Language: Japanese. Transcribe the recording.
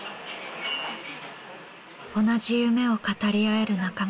同じ夢を語り合える仲間。